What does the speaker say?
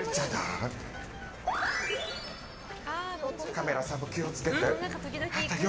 カメラさんも気を付けて。